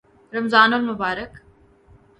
رمضان المبارک